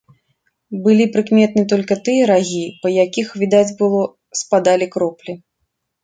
Былі прыкметны толькі тыя рагі, па якіх, відаць было, спадалі кроплі.